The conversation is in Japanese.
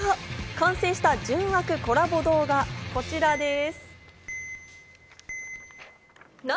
完成した純悪コラボ動画がこちらです。